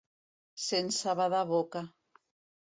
Sense badar boca.